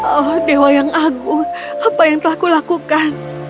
oh dewa yang agung apa yang telah kulakukan